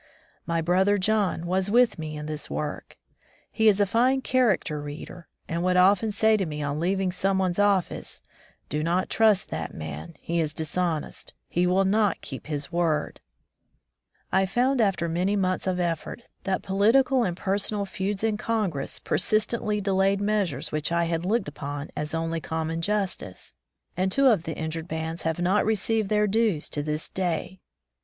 My brother John was with me in this work. He is a fine character reader, and would often say to me on leaving some one's office, "Do not trust that man; he is dishonest; he will not keep his word." I 157 Ffcm the Deep Woods to Civilization found after many months of effort, that political and personal feuds in Congress persistently delayed measures which I had looked upon as only common justice; and two of the injured bands have not received their dues to this day.